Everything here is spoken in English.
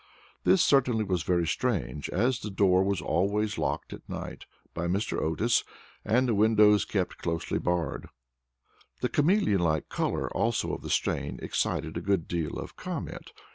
This certainly was very strange, as the door was always locked at night by Mr. Otis, and the windows kept closely barred. The chameleon like color, also, of the stain excited a good deal of comment.